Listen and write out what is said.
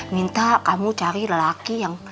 minta kamu cari lelaki yang